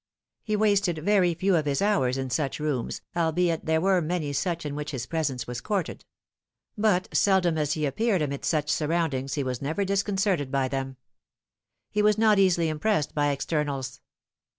He wasted very few of his hours in such rooms, albeit there were many such in which his presence was courted ; but seldom as he appeared amidst such surroundings he was never disconcerted by them. He was not easily impressed by externals.